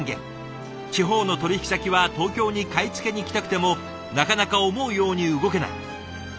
地方の取引先は東京に買い付けに行きたくてもなかなか思うように動けない。